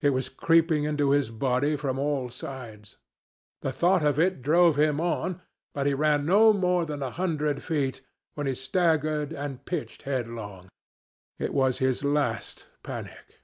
It was creeping into his body from all sides. The thought of it drove him on, but he ran no more than a hundred feet, when he staggered and pitched headlong. It was his last panic.